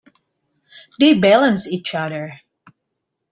They balance each other.